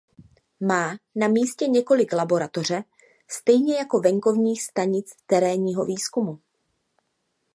Má na místě několik laboratoře stejně jako venkovních stanic terénního výzkumu.